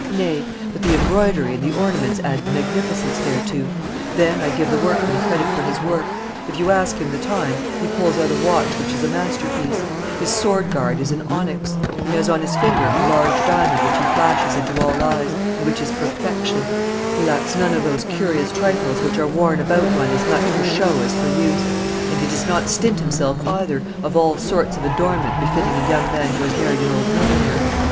Nay; but the embroidery and the ornaments add magnificence thereto; then I give the workman credit for his work. If you ask him the time, he pulls out a watch which is a masterpiece; his sword guard is an onyx; he has on his finger a large diamond which he flashes into all eyes, and which is perfection; he lacks none of those curious trifles which are worn about one as much for show as for use; and he does not stint himself either of all sorts of adornment befitting a young man who has married an old millionnaire.